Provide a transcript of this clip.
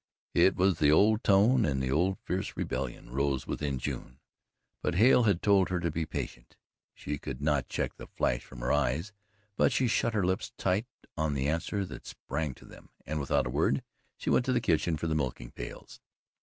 It was the old tone, and the old fierce rebellion rose within June, but Hale had told her to be patient. She could not check the flash from her eyes, but she shut her lips tight on the answer that sprang to them, and without a word she went to the kitchen for the milking pails.